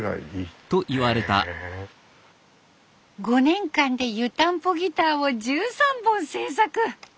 ５年間で湯たんぽギターを１３本制作。